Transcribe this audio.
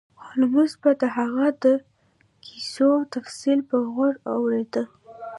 هولمز به د هغه د قضیو تفصیل په غور اوریده.